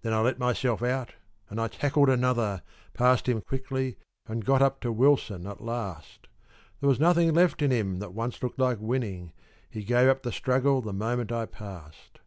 Then I let myself out and I tackled another, Passed him quickly and got up to Wilson at last; There was nothing left in him that once looked like winning; He gave up the struggle the moment I passed.